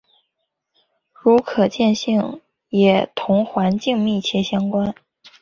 如可见性也同环境密切相关。